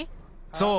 そう。